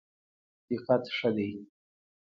دقت ښه دی.